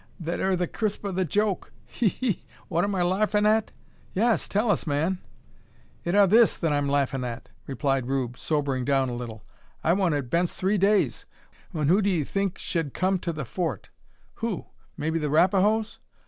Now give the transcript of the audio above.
Ho! ho! That ur the crisp o' the joke. He! he! he! What am I larfin' at?" "Yes; tell us, man!" "It are this then I'm larfin' at," replied Rube, sobering down a little, "I wa'n't at Bent's three days when who do 'ee think shed kum to the Fort?" "Who? Maybe the Rapahoes!"